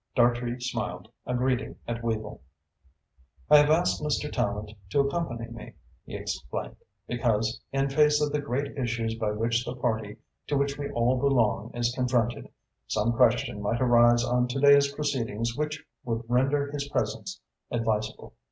Dartrey smiled a greeting at Weavel. "I have asked Mr. Tallente to accompany me," he explained, "because, in face of the great issues by which the party to which we all belong is confronted, some question might arise on to day's proceedings which would render his presence advisable.